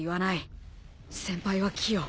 先輩は「キヨ」